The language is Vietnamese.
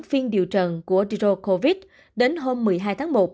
phiên điều trần của joe covid đến hôm một mươi hai tháng một